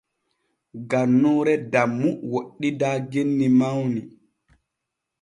Gannuure Dammu woɗɗidaa genni mawni.